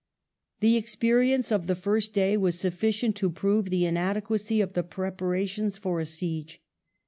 The experience of the first day was sufficient to prove the inadequacy of the preparations for a siege.